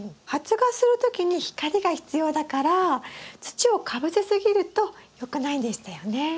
発芽する時に光が必要だから土をかぶせすぎるとよくないんでしたよね。